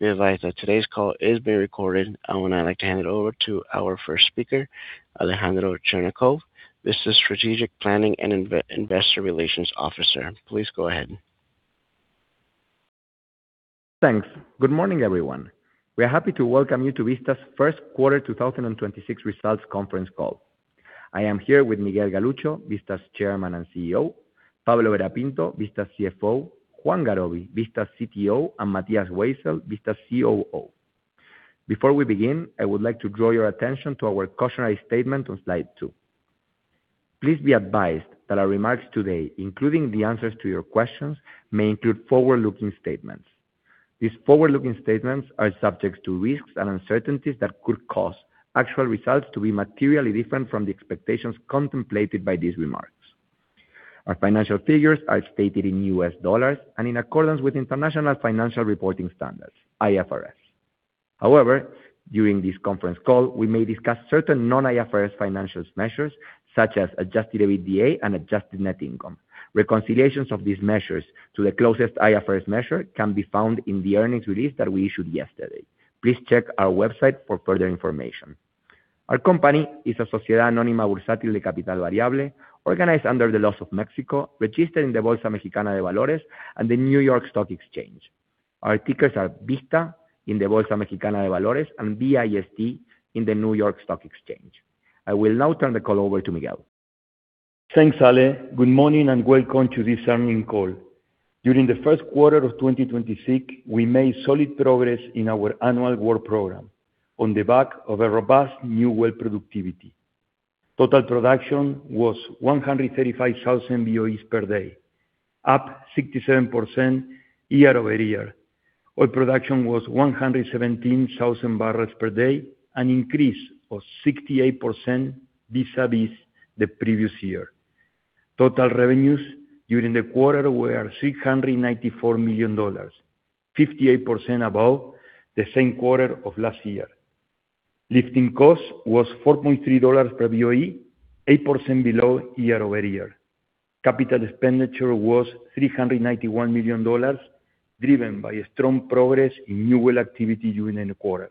Be advised that today's call is being recorded. I would now like to hand it over to our first speaker, Alejandro Cherñacov. This is Strategic Planning and Investor Relations Officer. Please go ahead. Thanks. Good morning, everyone. We are happy to welcome you to Vista's first quarter 2026 results conference call. I am here with Miguel Galuccio, Vista's Chairman and CEO, Pablo Vera Pinto, Vista CFO, Juan Garoby, Vista CTO, and Matías Weissel, Vista COO. Before we begin, I would like to draw your attention to our cautionary statement on slide two. Please be advised that our remarks today, including the answers to your questions, may include forward-looking statements. These forward-looking statements are subject to risks and uncertainties that could cause actual results to be materially different from the expectations contemplated by these remarks. Our financial figures are stated in USD and in accordance with International Financial Reporting Standards, IFRS. However, during this conference call, we may discuss certain non-IFRS financial measures such as adjusted EBITDA and adjusted net income. Reconciliations of these measures to the closest IFRS measure can be found in the earnings release that we issued yesterday. Please check our website for further information. Our company is a sociedad anónima bursátil de capital variable, organized under the laws of Mexico, registered in the Bolsa Mexicana de Valores and the New York Stock Exchange. Our tickers are VISTA in the Bolsa Mexicana de Valores and VIST in the New York Stock Exchange. I will now turn the call over to Miguel. Thanks, Ale. Good morning, and welcome to this earnings call. During the first quarter of 2026, we made solid progress in our annual work program on the back of a robust new well productivity. Total production was 135,000 BOEs per day, up 67% year-over-year. Oil production was 117,000 barrels per day, an increase of 68% vis-à-vis the previous year. Total revenues during the quarter were $694 million, 58% above the same quarter of last year. Lifting cost was $4.3 per BOE, 8% below year-over-year. CapEx was $391 million, driven by a strong progress in new well activity during the quarter.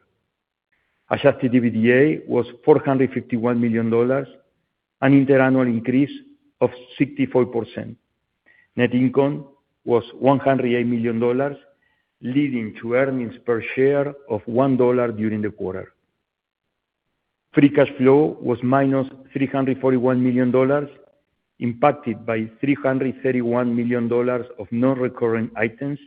Adjusted EBITDA was $451 million, an interannual increase of 64%. Net income was $108 million, leading to earnings per share of $1 during the quarter. Free cash flow was -$341 million, impacted by $331 million of non-recurring items,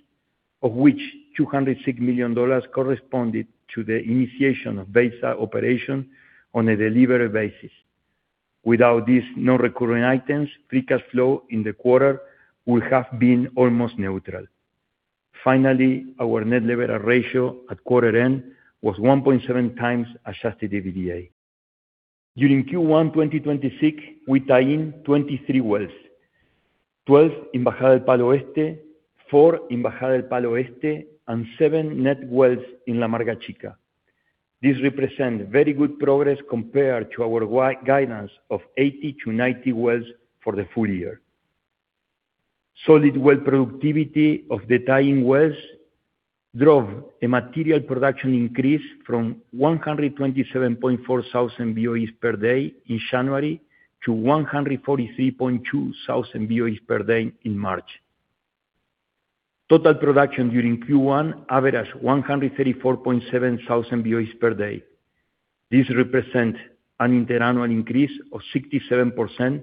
of which $206 million corresponded to the initiation of basic operation on a delivery basis. Without these non-recurring items, free cash flow in the quarter would have been almost neutral. Our net leverage ratio at quarter end was 1.7x adjusted EBITDA. During Q1 2026, we tied in 23 wells, 12 in Bajada del Palo Oeste, 4 in Bajada del Palo Oeste, and seven net wells in La Amarga Chica. This represent very good progress compared to our guidance of 80-90 wells for the full year. Solid well productivity of the tying wells drove a material production increase from 127,400 BOEs per day in January to 143,200 BOEs per day in March. Total production during Q1 averaged 134,700 BOEs per day. This represent an interannual increase of 67%,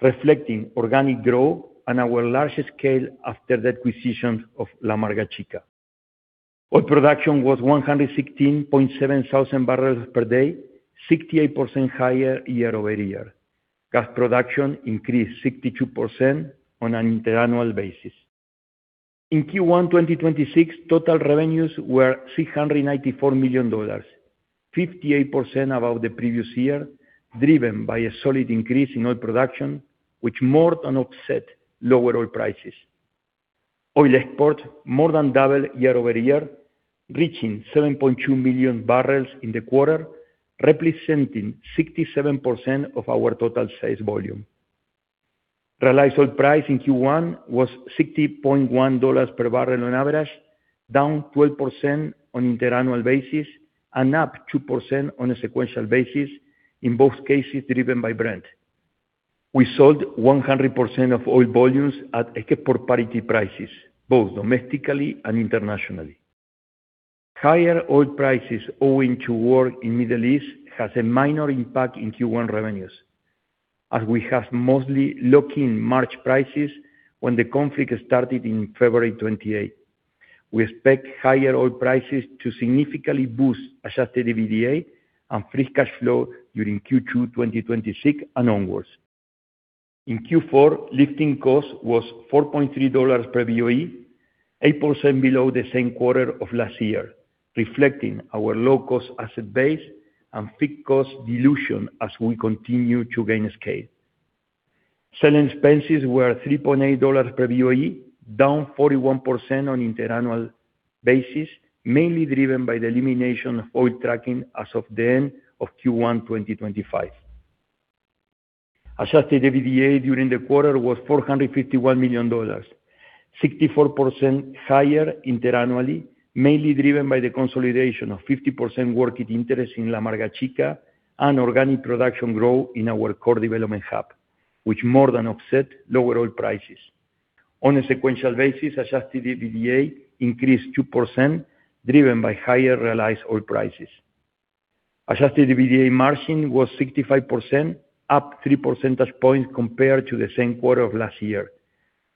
reflecting organic growth and our larger scale after the acquisition of La Amarga Chica. Oil production was 116,700 barrels per day, 68% higher year-over-year. Gas production increased 62% on an interannual basis. In Q1 2026, total revenues were $394 million, 58% above the previous year, driven by a solid increase in oil production, which more than offset lower oil prices. Oil export more than doubled year-over-year, reaching 7.2 million barrels in the quarter, representing 67% of our total sales volume. Realized oil price in Q1 was $60.1 per barrel on average, down 12% on interannual basis and up 2% on a sequential basis, in both cases driven by Brent. We sold 100% of oil volumes at a export parity prices, both domestically and internationally. Higher oil prices owing to war in Middle East has a minor impact in Q1 revenues, as we have mostly locked in March prices when the conflict started in February 28. We expect higher oil prices to significantly boost adjusted EBITDA and free cash flow during Q2, 2026 and onwards. In Q4, lifting cost was $4.3 per BOE, 8% below the same quarter of last year, reflecting our low-cost asset base and fixed cost dilution as we continue to gain scale. Selling expenses were $3.8 per BOE, down 41% on interannual basis, mainly driven by the elimination of oil trucking as of the end of Q1 2025. Adjusted EBITDA during the quarter was $451 million, 64% higher interannually, mainly driven by the consolidation of 50% working interest in La Amarga Chica and organic production growth in our core development hub, which more than offset lower oil prices. On a sequential basis, adjusted EBITDA increased 2%, driven by higher realized oil prices. adjusted EBITDA margin was 65%, up 3 percentage points compared to the same quarter of last year,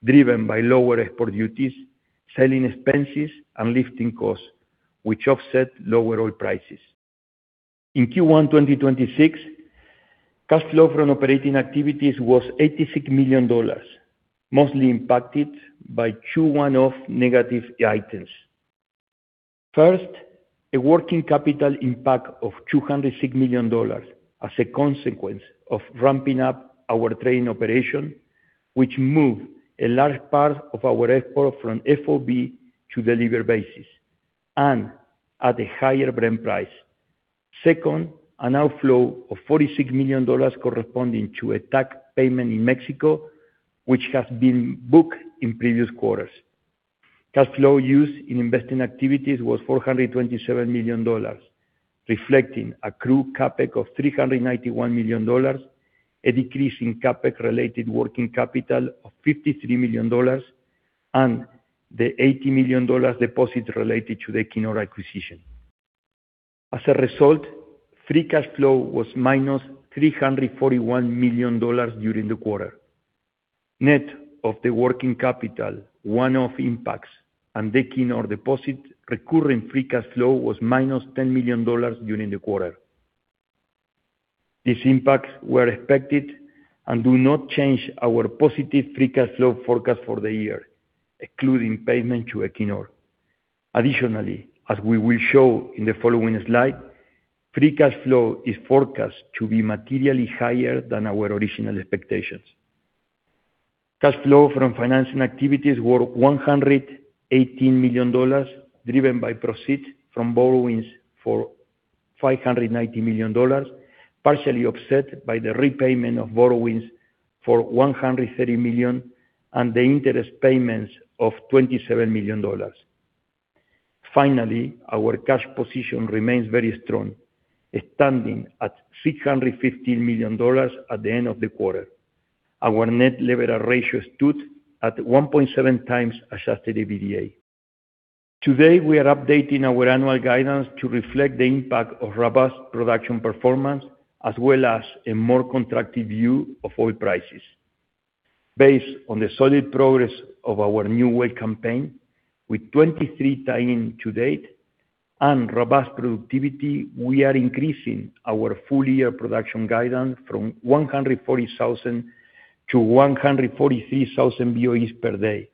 driven by lower export duties, selling expenses, and lifting costs, which offset lower oil prices. In Q1 2026, cash flow from operating activities was $86 million, mostly impacted by two one-off negative items. First, a working capital impact of $206 million as a consequence of ramping up our trading operation, which moved a large part of our export from FOB to delivered basis and at a higher Brent price. Second, an outflow of $46 million corresponding to a tax payment in Mexico, which has been booked in previous quarters. Cash flow use in investing activities was $427 million, reflecting accrued CapEx of $391 million, a decrease in CapEx related working capital of $53 million, and the $80 million deposit related to the Equinor acquisition. As a result, free cash flow was -$341 million during the quarter. Net of the working capital, one-off impacts, and the Equinor deposit recurring free cash flow was -$10 million during the quarter. These impacts were expected and do not change our positive free cash flow forecast for the year, excluding payment to Equinor. Additionally, as we will show in the following slide, free cash flow is forecast to be materially higher than our original expectations. Cash flow from financing activities were $118 million, driven by proceeds from borrowings for $590 million, partially offset by the repayment of borrowings for $130 million and the interest payments of $27 million. Our cash position remains very strong, standing at $615 million at the end of the quarter. Our net leverage ratio stood at 1.7x adjusted EBITDA. Today, we are updating our annual guidance to reflect the impact of robust production performance as well as a more contracted view of oil prices. Based on the solid progress of our new well campaign, with 23 tie-in to date and robust productivity, we are increasing our full-year production guidance from 140,000-143,000 BOEs per day,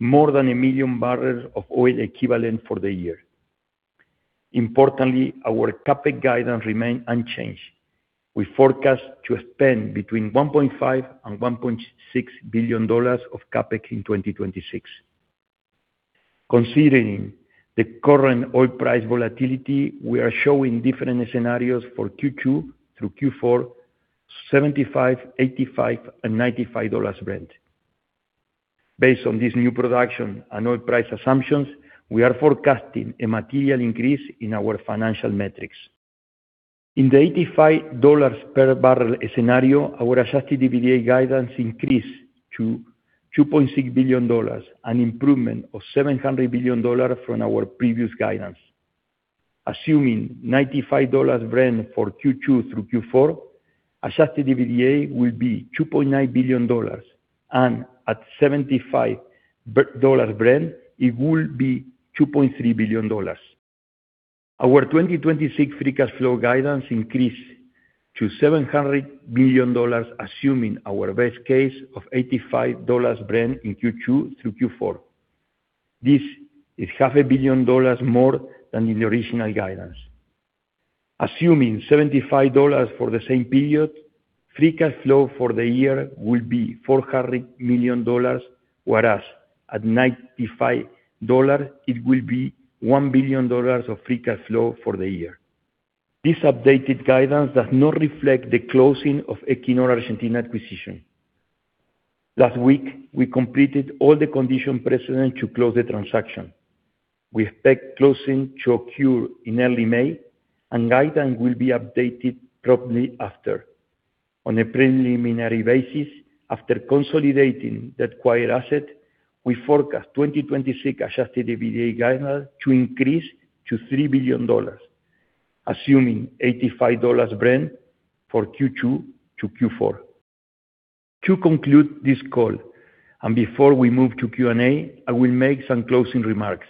more than 1 million barrels of oil equivalent for the year. Importantly, our CapEx guidance remain unchanged. We forecast to spend between $1.5 billion-$1.6 billion of CapEx in 2026. Considering the current oil price volatility, we are showing different scenarios for Q2 through Q4, $75, $85, and $95 Brent. Based on this new production and oil price assumptions, we are forecasting a material increase in our financial metrics. In the $85 per barrel scenario, our adjusted EBITDA guidance increased to $2.6 billion, an improvement of $700 million from our previous guidance. Assuming $95 Brent for Q2 through Q4, adjusted EBITDA will be $2.9 billion, and at $75 Brent, it will be $2.3 billion. Our 2026 free cash flow guidance increased to $700 million, assuming our best case of $85 Brent in Q2 through Q4. This is $500 million more than the original guidance. Assuming $75 for the same period, free cash flow for the year will be $400 million, whereas at $95 it will be $1 billion of free cash flow for the year. This updated guidance does not reflect the closing of Equinor Argentina acquisition. Last week, we completed all the condition precedent to close the transaction. We expect closing to occur in early May, and guidance will be updated promptly after. On a preliminary basis, after consolidating the acquired asset, we forecast 2026 adjusted EBITDA guidance to increase to $3 billion, assuming $85 Brent for Q2 to Q4. To conclude this call, and before we move to Q&A, I will make some closing remarks.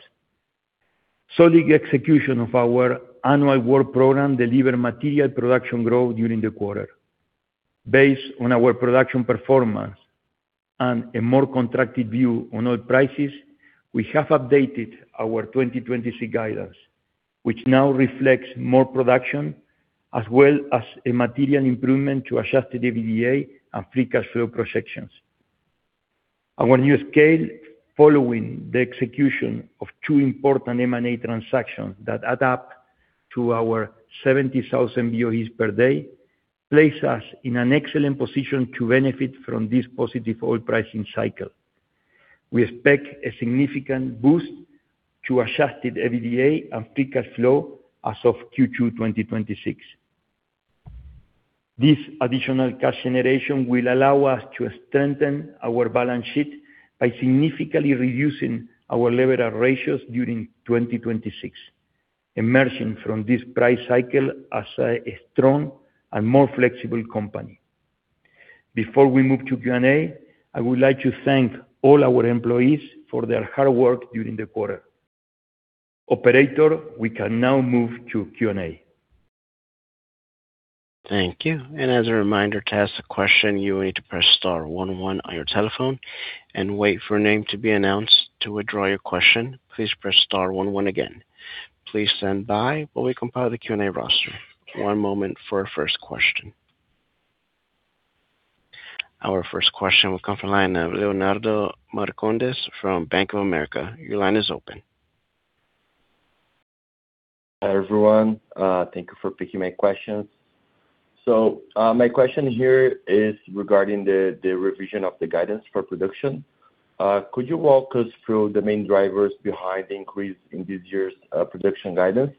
Solid execution of our annual work program delivered material production growth during the quarter. Based on our production performance and a more contracted view on oil prices, we have updated our 2026 guidance, which now reflects more production as well as a material improvement to adjusted EBITDA and free cash flow projections. Our new scale following the execution of two important M&A transactions that add up to our 70,000 BOEs per day, place us in an excellent position to benefit from this positive oil pricing cycle. We expect a significant boost to adjusted EBITDA and free cash flow as of Q2 2026. This additional cash generation will allow us to strengthen our balance sheet by significantly reducing our leverage ratios during 2026, emerging from this price cycle as a strong and more flexible company. Before we move to Q&A, I would like to thank all our employees for their hard work during the quarter. Operator, we can now move to Q&A. Thank you. As a reminder, to ask a question, you will need to press star one one on your telephone and wait for a name to be announced. To withdraw your question, please press star one one again. Please stand by while we compile the Q&A roster. One moment for our first question. Our first question will come from the line of Leonardo Marcondes from Bank of America. Your line is open. Hi, everyone. Thank you for picking my questions. My question here is regarding the revision of the guidance for production. Could you walk us through the main drivers behind the increase in this year's production guidance?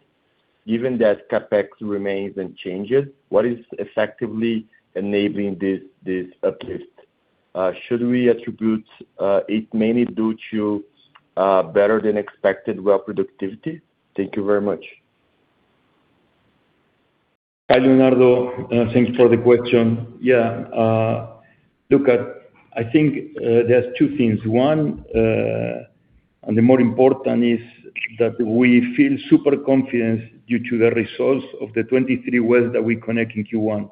Given that CapEx remains unchanged, what is effectively enabling this uplift? Should we attribute it mainly due to better than expected well productivity? Thank you very much. Hi, Leonardo. Thanks for the question. I think there's two things. One, the more important is that we feel super confident due to the results of the 23 wells that we connect in Q1.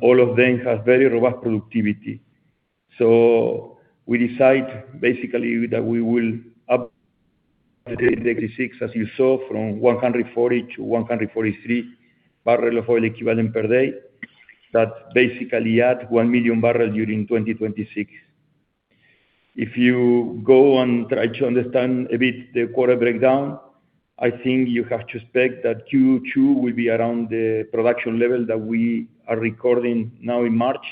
All of them have very robust productivity. We decide basically that we will up the 66, as you saw, from 140-143 barrels of oil equivalent per day. That basically add 1 million barrels during 2026. If you go and try to understand a bit the quarter breakdown, I think you have to expect that Q2 will be around the production level that we are recording now in March.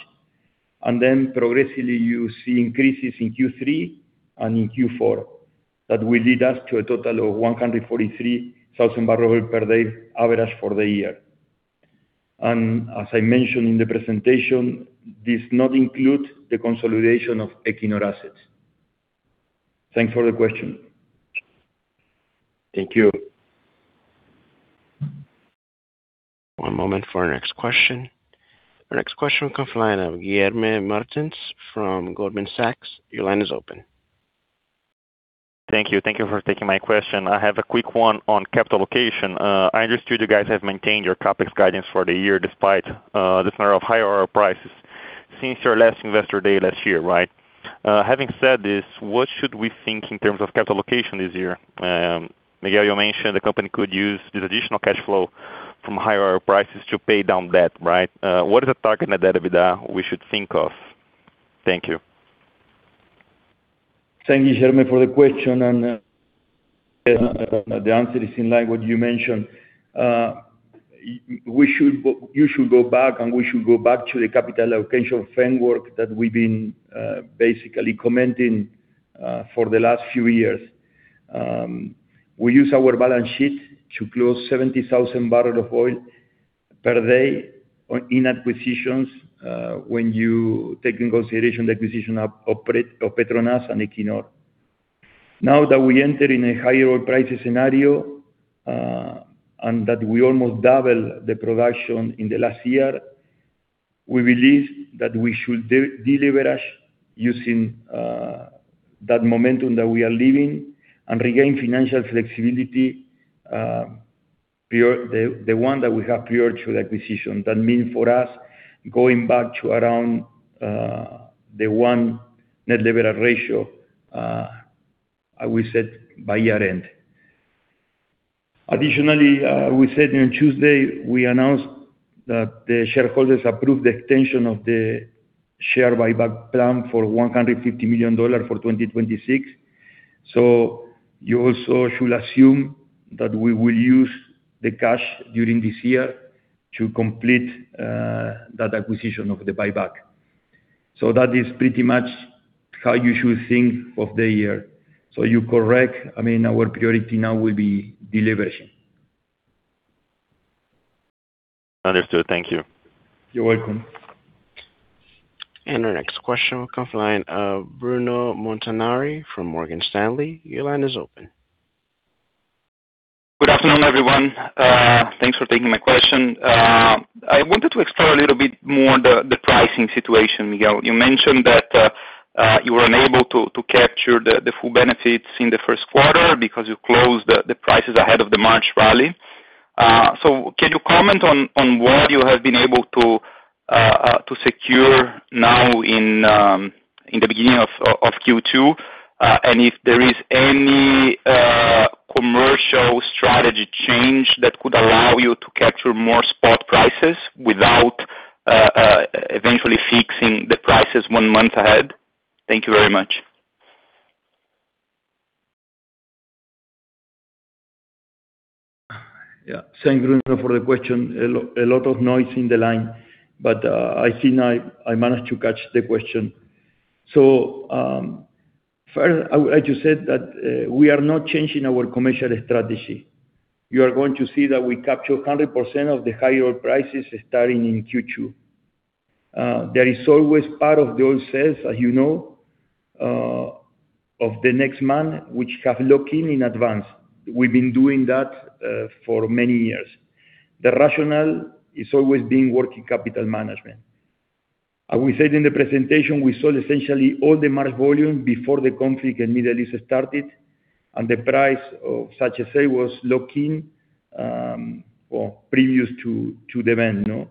Then progressively, you see increases in Q3 and in Q4. That will lead us to a total of 143,000 barrels per day average for the year. As I mentioned in the presentation, this does not include the consolidation of Equinor assets. Thanks for the question. Thank you. One moment for our next question. Our next question comes from the line of Guilherme Martins from Goldman Sachs. Your line is open. Thank you. Thank you for taking my question. I have a quick one on capital allocation. I understood you guys have maintained your CapEx guidance for the year despite the scenario of higher oil prices since your last investor day last year, right? Having said this, what should we think in terms of capital allocation this year? Miguel, you mentioned the company could use this additional cash flow from higher oil prices to pay down debt, right? What is the target net debt EBITDA we should think of? Thank you. Thank you, Guilherme, for the question. The answer is in line what you mentioned. You should go back, and we should go back to the capital allocation framework that we've been basically commenting for the last few years. We use our balance sheet to close 70,000 barrels of oil per day in acquisitions when you take in consideration the acquisition of Petronas and Equinor. Now that we enter in a higher oil price scenario, and that we almost double the production in the last year, we believe that we should delever us using that momentum that we are living and regain financial flexibility, the one that we have prior to the acquisition. That mean for us, going back to around the 1 net debt leverage ratio, I will set by year-end. Additionally, we said on Tuesday, we announced that the shareholders approved the extension of the share buyback plan for $150 million for 2026. You also should assume that we will use the cash during this year to complete that acquisition of the buyback. That is pretty much how you should think of the year. You're correct. I mean, our priority now will be delivering. Understood. Thank you. You're welcome. Our next question will come from the line of Bruno Montanari from Morgan Stanley. Your line is open. Good afternoon, everyone. Thanks for taking my question. I wanted to explore a little bit more the pricing situation, Miguel. You mentioned that you were unable to capture the full benefits in the first quarter because you closed the prices ahead of the March rally. Can you comment on what you have been able to secure now in the beginning of Q2? If there is any Commercial strategy change that could allow you to capture more spot prices without eventually fixing the prices one month ahead. Thank you very much. Yeah. Thank you for the question. A lot of noise in the line, but I think I managed to catch the question. First, I just said that we are not changing our commercial strategy. You are going to see that we capture 100% of the higher prices starting in Q2. There is always part of those sales, as you know, of the next month, which have locked in in advance. We've been doing that for many years. The rationale is always been working capital management. As we said in the presentation, we sold essentially all the March volume before the conflict in Middle East started, and the price of such a sale was locked in previous to the event, you know.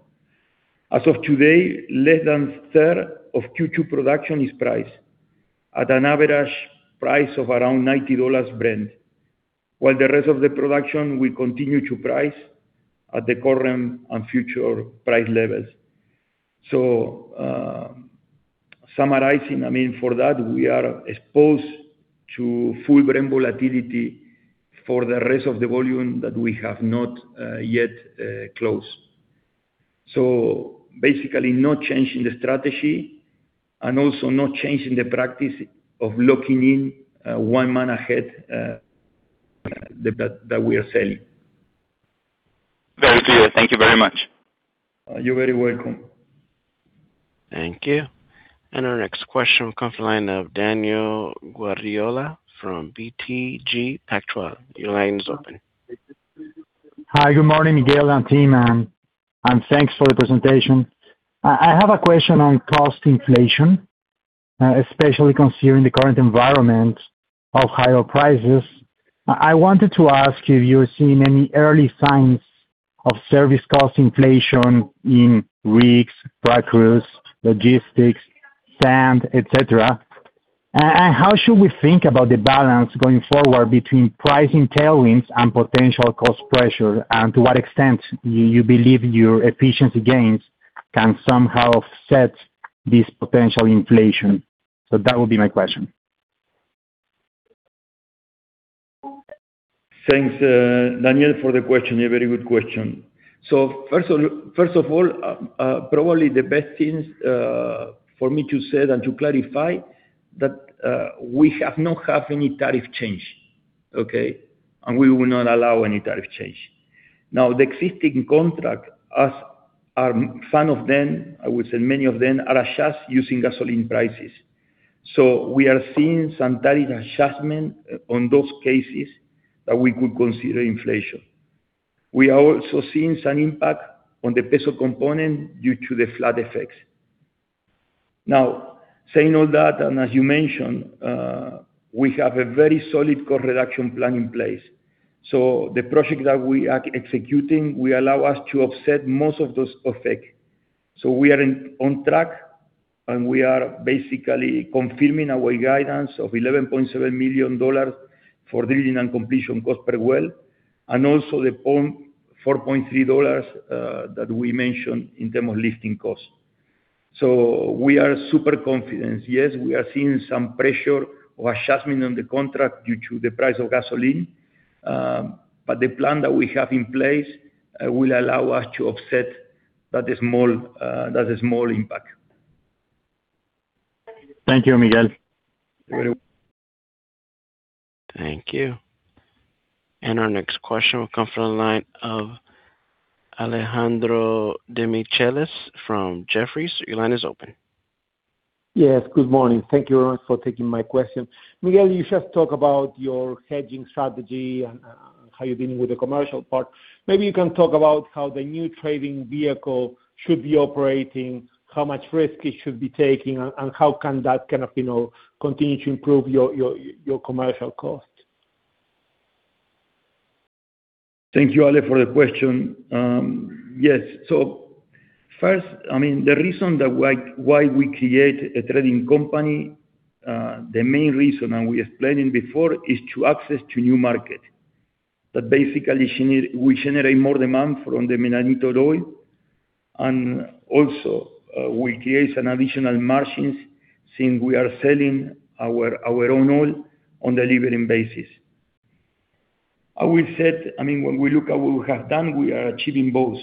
As of today, less than a third of Q2 production is priced at an average price of around $90 Brent, while the rest of the production will continue to price at the current and future price levels. Summarizing, I mean, for that, we are exposed to full Brent volatility for the rest of the volume that we have not yet closed. Basically no change in the strategy and also not change in the practice of locking in one month ahead that we are selling. Very clear. Thank you very much. You're very welcome. Thank you. Our next question will come from the line of Daniel Guardiola from BTG Pactual. Your line is open. Hi. Good morning, Miguel and team, and thanks for the presentation. I have a question on cost inflation, especially considering the current environment of higher prices. I wanted to ask if you're seeing any early signs of service cost inflation in rigs, crackers, logistics, sand, et cetera. How should we think about the balance going forward between pricing tailwinds and potential cost pressure? To what extent you believe your efficiency gains can somehow offset this potential inflation? That would be my question. Thanks, Daniel, for the question. A very good question. First of all, probably the best thing for me to say and to clarify that we have not have any tariff change. Okay. We will not allow any tariff change. The existing contract, as are some of them, I would say many of them, are adjust using gasoline prices. We are seeing some tariff adjustment on those cases that we could consider inflation. We are also seeing some impact on the peso component due to the flood effects. Saying all that, and as you mentioned, we have a very solid cost reduction plan in place. The projects that we are executing will allow us to offset most of those effect. We are on track, and we are basically confirming our guidance of $11.7 million for drilling and completion cost per well, and also $4.3 that we mentioned in terms of lifting costs. We are super confident. Yes, we are seeing some pressure or adjustment on the contract due to the price of gasoline, but the plan that we have in place will allow us to offset that small impact. Thank you, Miguel. Very welcome. Thank you. Our next question will come from the line of Alejandro Demichelis from Jefferies. Your line is open. Yes. Good morning. Thank you very much for taking my question. Miguel, you just talked about your hedging strategy and how you're dealing with the commercial part. Maybe you can talk about how the new trading vehicle should be operating, how much risk it should be taking, and how can that kind of, you know, continue to improve your commercial cost. Thank you, Ale, for the question. Yes, first, the reason that why we create a trading company, the main reason, and we explained it before, is to access to new market. Basically, we generate more demand from the Medanito oil and also, we create additional margins since we are selling our own oil on delivering basis. As we said, when we look at what we have done, we are achieving both.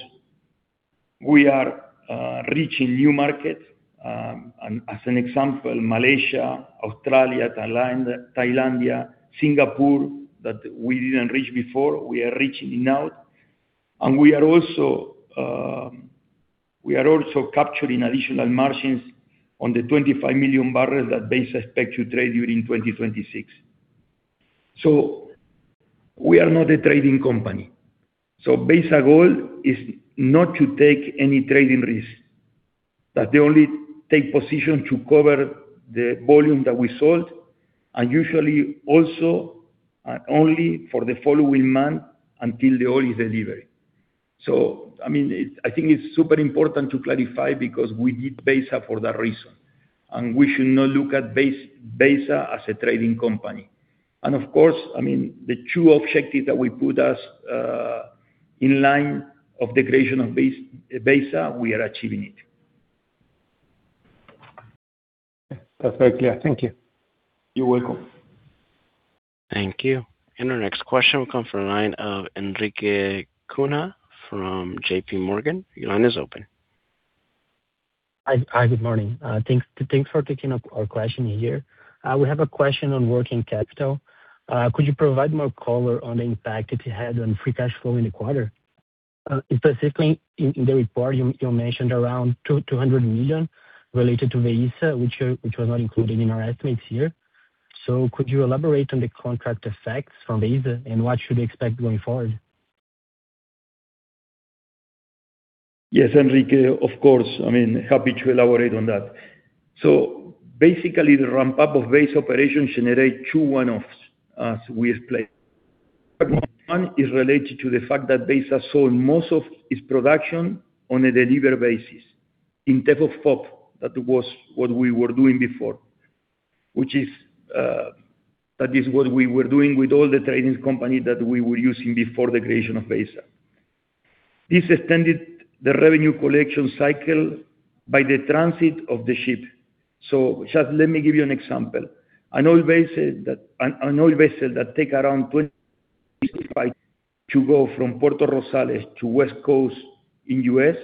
We are reaching new markets, and as an example, Malaysia, Australia, Thailand, Singapore, that we didn't reach before, we are reaching it now. We are also capturing additional margins on the 25 million barrels that Vista expect to trade during 2026. We are not a trading company. Basic goal is not to take any trading risk. They only take position to cover the volume that we sold, and usually also, only for the following month until the oil is delivered. I mean, I think it's super important to clarify because we did BEHSA for that reason, and we should not look at BEHSA as a trading company. Of course, I mean, the two objectives that we put as in line of the creation of BEHSA, we are achieving it. That's very clear. Thank you. You're welcome. Thank you. Our next question will come from the line of Enrique Kuna from JPMorgan. Your line is open. Hi, hi. Good morning. Thanks for taking up our question here. We have a question on working capital. Could you provide more color on the impact if it had on free cash flow in the quarter? Specifically in the report, you mentioned around $200 million related to BEHSA, which was not included in our estimates here. Could you elaborate on the contract effects from BEHSA and what should we expect going forward? Yes, Enrique, of course. I mean, happy to elaborate on that. Basically, the ramp-up of base operations generate two one-offs, as we explained. One is related to the fact that BEHSA sold most of its production on a delivery basis instead of FOB. That was what we were doing before, which is, that is what we were doing with all the trading company that we were using before the creation of BEHSA. This extended the revenue collection cycle by the transit of the ship. Just let me give you an example. An old vessel that take around 20 to go from Puerto Rosales to West Coast in U.S.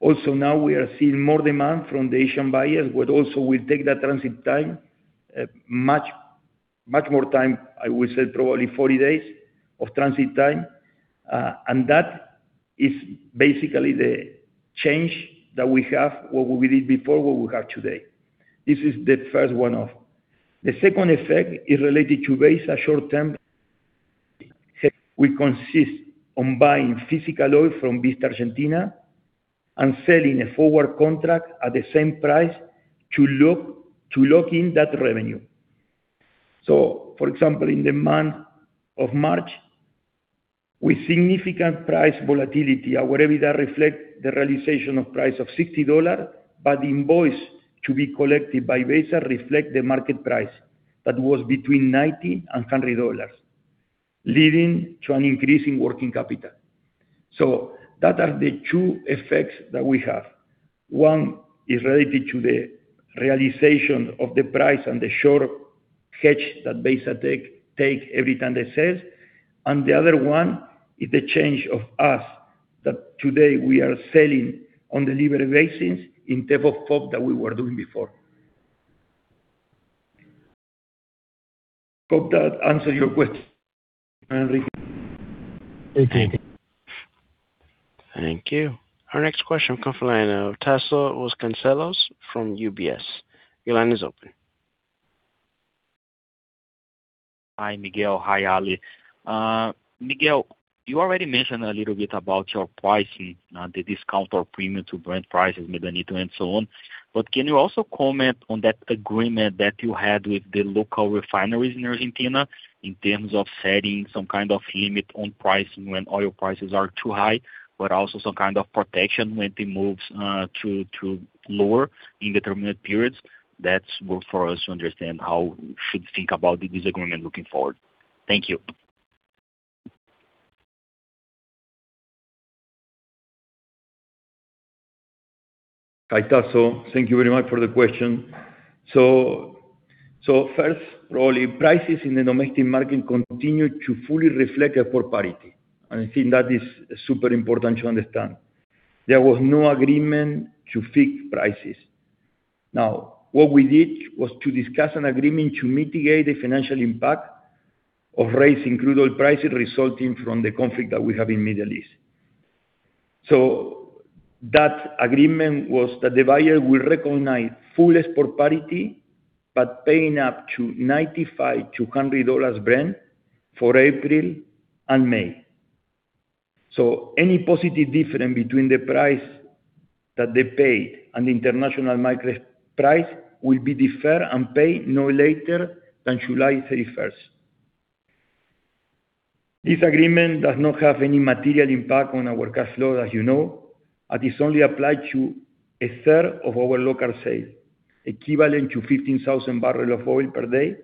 Also now we are seeing more demand from the Asian buyers, will take that transit time much more time. I would say probably 40 days of transit time. That is basically the change that we have, what we did before, what we have today. This is the first one-off. The second effect is related to BEHSA short-term we consist on buying physical oil from Vista Argentina and selling a forward contract at the same price to lock in that revenue. For example, in the month of March, with significant price volatility at whatever that reflect the realization of price of $60, but the invoice to be collected by BEHSA reflect the market price that was between $90 and $100, leading to an increase in working capital. That are the two effects that we have. One is related to the realization of the price and the short hedge that BEHSA take every time they sell. The other one is the change of us that today we are selling on delivery basis instead of FOB that we were doing before. Hope that answer your question, Enrique. Thank you. Thank you. Our next question come from the line of Tasso Vasconcellos from UBS. Your line is open. Hi, Miguel. Hi, Ale. Miguel, you already mentioned a little bit about your pricing on the discount or premium to Brent prices, Medanito and so on. Can you also comment on that agreement that you had with the local refineries in Argentina in terms of setting some kind of limit on pricing when oil prices are too high, but also some kind of protection when it moves to lower in determined periods? That's more for us to understand how we should think about this agreement looking forward. Thank you. Hi, Tasso. Thank you very much for the question. First, probably prices in the domestic market continued to fully reflect a poor parity. I think that is super important to understand. There was no agreement to fix prices. What we did was to discuss an agreement to mitigate the financial impact of raising crude oil prices resulting from the conflict that we have in Middle East. That agreement was that the buyer will recognize full export parity, but paying up to $95-$100 Brent for April and May. Any positive difference between the price that they paid and the international market price will be deferred and paid no later than July 31st. This agreement does not have any material impact on our cash flow, as you know, and this only applied to a third of our local sale, equivalent to 15,000 barrels of oil per day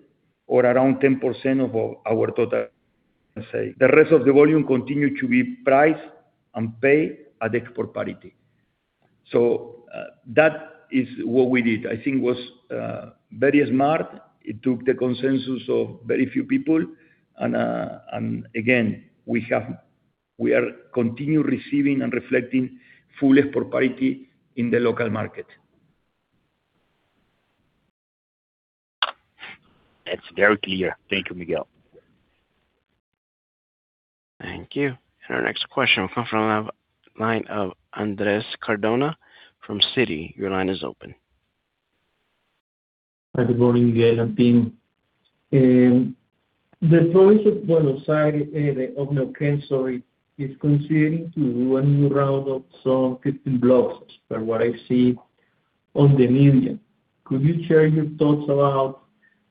or around 10% of our total sale. The rest of the volume continued to be priced and paid at export parity. That is what we did. I think it was very smart. It took the consensus of very few people. Again, we are continue receiving and reflecting full export parity in the local market. That's very clear. Thank you, Miguel. Thank you. Our next question will come from the line of Andres Cardona from Citi. Your line is open. Hi, good morning, Miguel and team. The province of Buenos Aires, the governor Kicillof is considering to do a new round of some 15 blocks, [per what I see on the million]. Could you share your thoughts about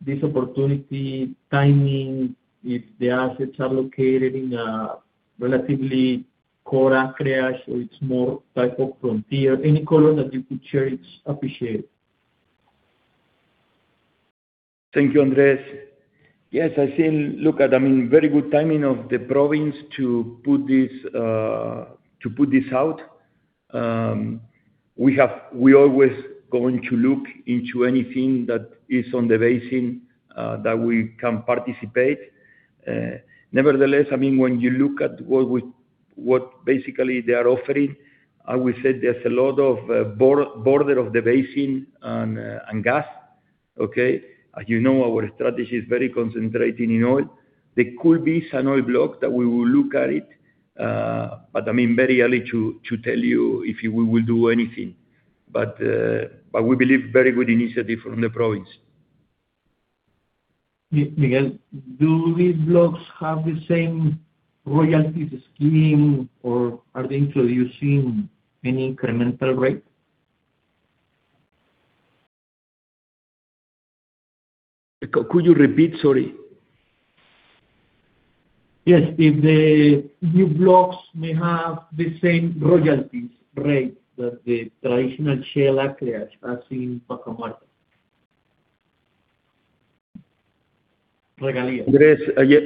this opportunity, timing, if the assets are located in a relatively core acreage, so it is more type of frontier. Any color that you could share, it is appreciated. Thank you, Andres. Yes, I think, I mean, very good timing of the province to put this, to put this out. We always going to look into anything that is on the basin that we can participate. Nevertheless, I mean, when you look at what we, what basically they are offering, I will say there's a lot of border of the basin on gas, okay? You know our strategy is very concentrating in oil. There could be some oil block that we will look at it, but I mean, very early to tell you if we will do anything. But we believe very good initiative from the province. Miguel, do these blocks have the same royalty scheme or are they introducing any incremental rate? Could you repeat? Sorry. Yes. If the new blocks may have the same royalties rate that the traditional shale acreage as in Vaca Muerta. Regalía. Andres, yes.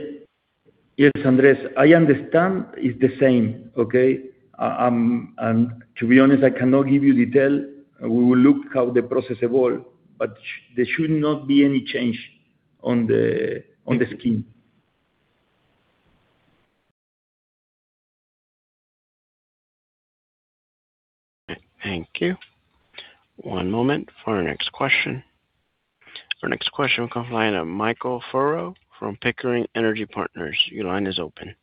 Yes, Andres. I understand it's the same, okay? To be honest, I cannot give you detail. We will look how the process evolve, but there should not be any change on the, on the scheme. Thank you. One moment for our next question. Our next question will come from the line of Michael Furrow from Pickering Energy Partners. Your line is open.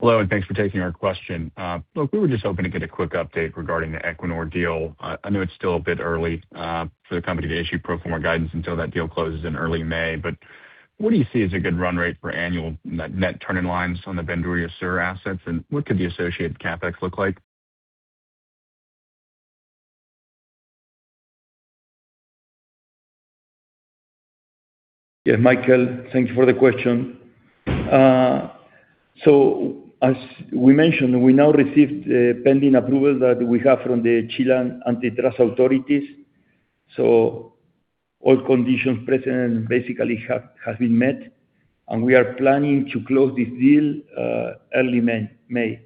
Hello, and thanks for taking our question. Look, we were just hoping to get a quick update regarding the Equinor deal. I know it's still a bit early for the company to issue pro forma guidance until that deal closes in early May. What do you see as a good run rate for annual net turning lines on the Bandurria Sur assets, and what could the associated CapEx look like? Yeah, Michael, thank you for the question. As we mentioned, we now received pending approval that we have from the Chilean antitrust authorities. All conditions present basically has been met, and we are planning to close this deal early May.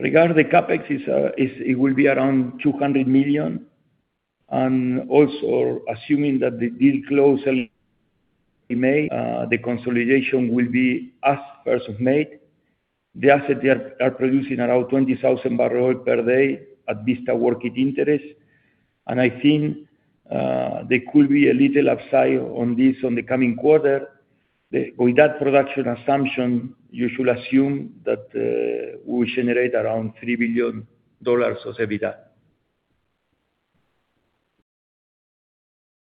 Regarding the CapEx, it will be around $200 million. Also assuming that the deal close early May, the consolidation will be as May 1. The asset are producing around 20,000 barrel per day at Vista working interest. I think there could be a little upside on this on the coming quarter. With that production assumption, you should assume that we will generate around $3 billion of EBITDA.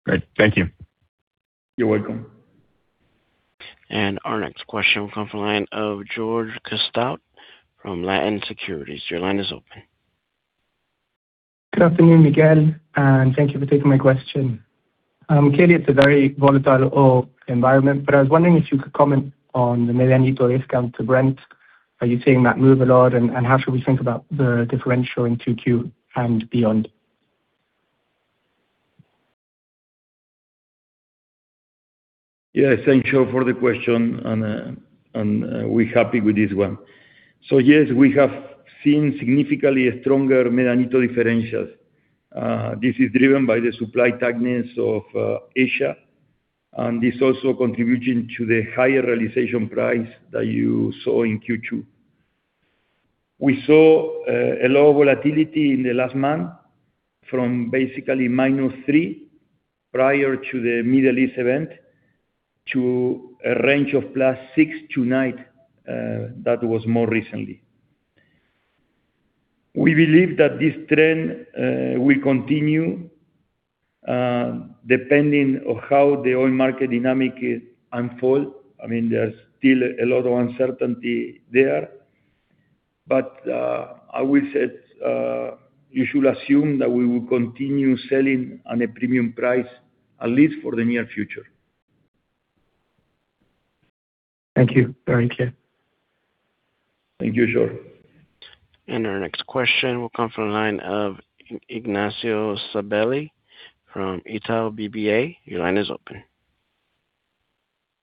Great. Thank you. You're welcome. Our next question will come from the line of George Gasztowtt from Latin Securities. Your line is open. Good afternoon, Miguel, and thank you for taking my question. Clearly it's a very volatile oil environment, but I was wondering if you could comment on the Medanito discount to Brent. Are you seeing that move a lot? How should we think about the differential in 2Q and beyond? Thank you for the question. We're happy with this one. Yes, we have seen significantly stronger Medanito differentials. This is driven by the supply tightness of Asia, and this also contributing to the higher realization price that you saw in Q2. We saw a low volatility in the last month from basically -3 prior to the Middle East event to a range of +6 to 9. That was more recently. We believe that this trend will continue, depending on how the oil market dynamic is unfold. I mean, there's still a lot of uncertainty there. I will say, you should assume that we will continue selling on a premium price at least for the near future. Thank you. Very clear. Thank you, George. Our next question will come from the line of Ignacio Sabelle from Itaú BBA. Your line is open.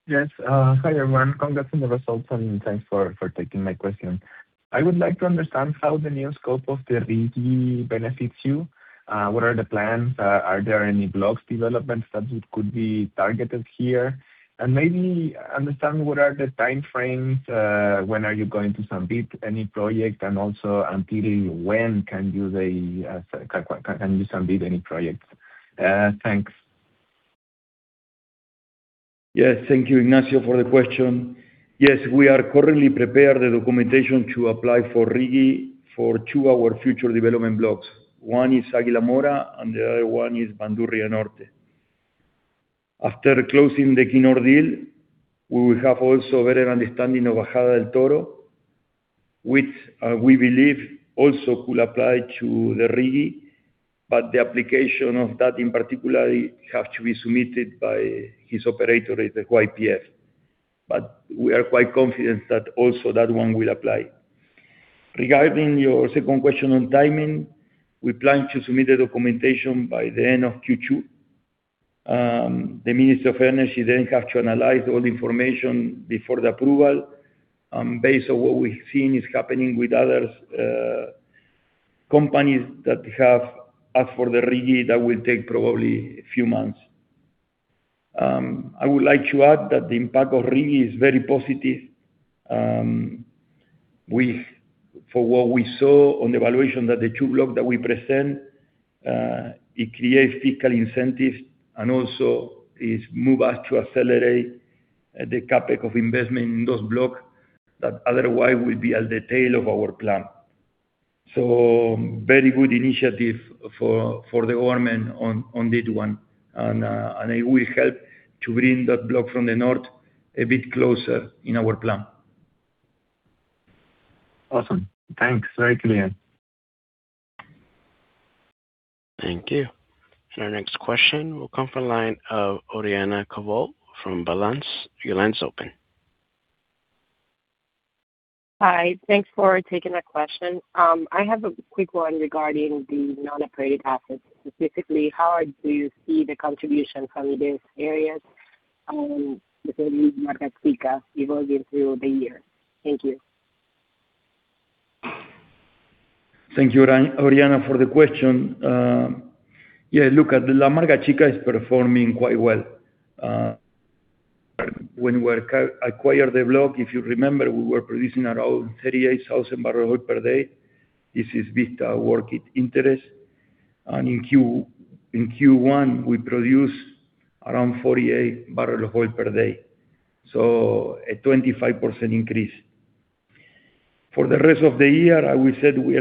Yes. Hi, everyone. Congratulations on the results, and thanks for taking my question. I would like to understand how the new scope of the RIGI benefits you. What are the plans? Are there any blocks developments that could be targeted here? Maybe understand what are the time frames, when are you going to submit any project? Also until when can you submit any projects? Thanks. Yes. Thank you, Ignacio, for the question. Yes, we are currently prepare the documentation to apply for RIGI for two our future development blocks. One is Aguada Mora and the other one is Bandurria Norte. After closing the Equinor deal, we will have also better understanding of Cien Toro, which we believe also could apply to the RIGI, the application of that in particular have to be submitted by his operator at the YPF. We are quite confident that also that one will apply. Regarding your second question on timing, we plan to submit the documentation by the end of Q2. The Minister of Energy have to analyze all the information before the approval. Based on what we've seen is happening with others, companies that have asked for the RIGI, that will take probably a few months. I would like to add that the impact of RIGI is very positive. For what we saw on the evaluation that the two block that we present, it creates fiscal incentives and also it move us to accelerate the CapEx of investment in those blocks that otherwise would be at the tail of our plan. Very good initiative for the government on this one. It will help to bring that block from the north a bit closer in our plan. Awesome. Thanks. Very clear. Thank you. Our next question will come from line of Oriana Covault from Balanz. Your line's open. Hi. Thanks for taking the question. I have a quick one regarding the non-operated assets. Specifically, how do you see the contribution from these areas within La Amarga Chica evolving through the year? Thank you. Thank you, Oriana Covault, for the question. Look, La Amarga Chica is performing quite well. When we acquire the block, if you remember, we were producing around 38,000 barrel oil per day. This is Vista working interest. In Q1 we produce around 48 barrel of oil per day. A 25% increase. For the rest of the year, as we said, we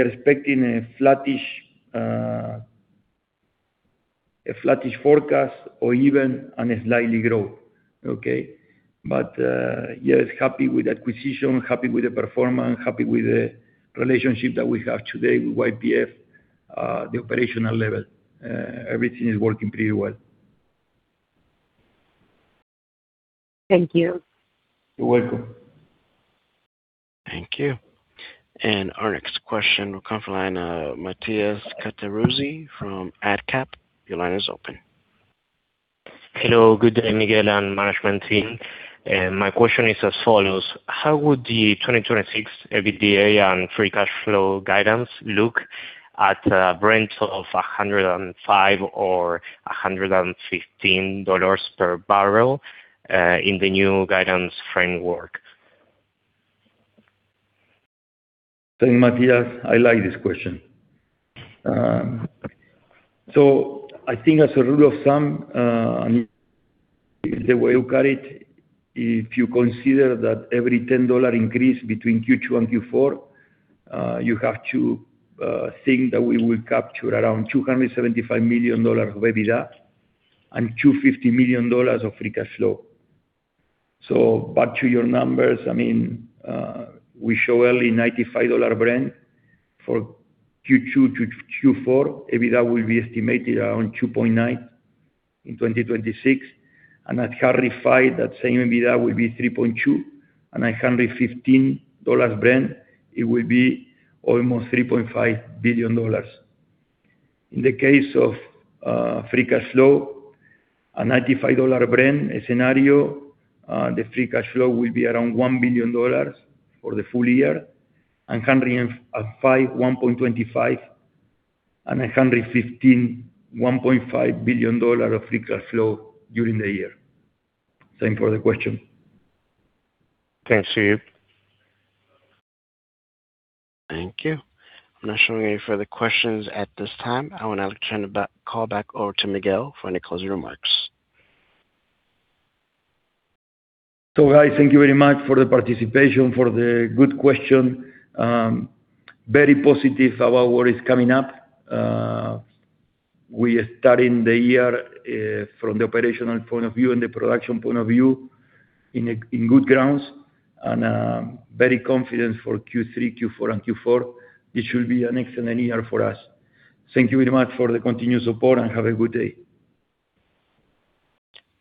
are expecting a flattish forecast or even on a slightly growth. Okay? Yes, happy with the acquisition, happy with the performance, happy with the relationship that we have today with YPF, the operational level. Everything is working pretty well. Thank you. You're welcome. Thank you. Our next question will come from line, Matías Cattaruzzi from Adcap. Your line is open. Hello. Good day, Miguel and management team. My question is as follows: How would the 2026 EBITDA and free cash flow guidance look at a Brent of $105 or $115 per barrel in the new guidance framework? Thank you, Matías. I like this question. I mean, the way you got it, if you consider that every $10 increase between Q2 and Q4, you have to think that we will capture around $275 million of EBITDA and $250 million of free cash flow. Back to your numbers. I mean, we show early $95 Brent for Q2-Q4. EBITDA will be estimated around $2.9 billion in 2026. At $105, that same EBITDA will be $3.2 billion. At $115 Brent, it will be almost $3.5 billion. In the case of free cash flow, a $95 Brent scenario, the free cash flow will be around $1 billion for the full year, and $105, $1.25 billion, and at $115, $1.5 billion of free cash flow during the year. Thank you for the question. Thanks to you. Thank you. I'm not showing any further questions at this time. I want to call back over to Miguel for any closing remarks. Guys, thank you very much for the participation, for the good question. Very positive about what is coming up. We are starting the year from the operational point of view and the production point of view in good grounds. Very confident for Q3, Q4, and Q4. It should be an excellent year for us. Thank you very much for the continued support and have a good day.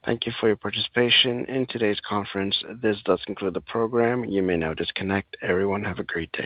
Thank you for your participation in today's conference. This does conclude the program. You may now disconnect. Everyone, have a great day.